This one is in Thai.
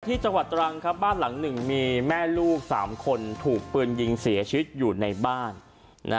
จังหวัดตรังครับบ้านหลังหนึ่งมีแม่ลูก๓คนถูกปืนยิงเสียชีวิตอยู่ในบ้าน